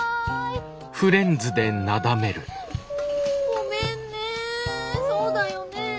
ごめんねそうだよねえ。